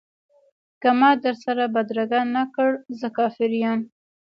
که ما در سره بدرګه نه کړ زه کافر یم.